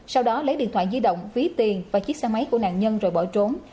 sau đó lấy điện thoại di động ví tiền và chiếc xe máy của nạn nhân rồi bỏ trốn